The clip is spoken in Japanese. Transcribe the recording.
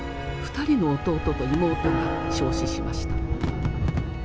２人の弟と妹が焼死しました。